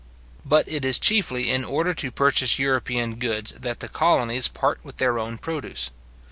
But it is chiefly in order to purchase European goods that the colonies part with their own produce.